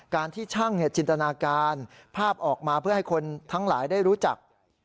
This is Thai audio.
ที่ช่างจินตนาการภาพออกมาเพื่อให้คนทั้งหลายได้รู้จัก